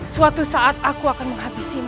suatu saat aku akan menghabisi